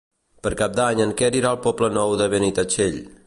Per Cap d'Any en Quer irà al Poble Nou de Benitatxell.